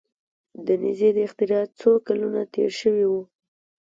د نیزې د اختراع څو کلونه تیر شوي وو.